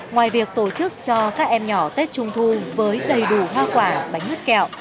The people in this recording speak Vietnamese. ngoài việc tổ chức cho các em nhỏ tết trung thu với đầy đủ hoa quả bánh mứt kẹo